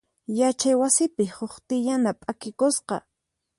Yachay wasipi huk tiyana p'akikusqa.